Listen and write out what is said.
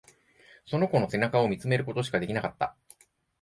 その子の背中を見つめることしかできなかった。